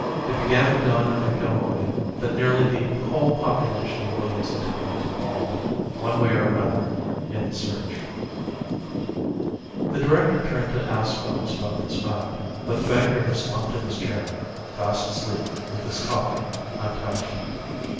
It began to dawn on McIlroy that nearly the whole population of Williamson Town was involved, one way or another, in the search. The director turned to ask Phelps about this fact, but the banker was slumped in his chair, fast asleep with his coffee untouched.